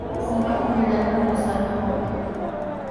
ثروت پدری را دو ساله به باد داد.